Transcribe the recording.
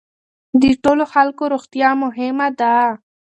د ټولو خلکو روغتیا مهمه ده.